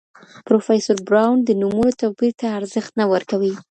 پروفیسور براون د نومونو توپیر ته ارزښت نه ورکوي.